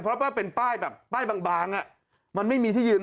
เพราะว่าเป็นป้ายแบบป้ายบางอ่ะมันไม่มีที่ยืน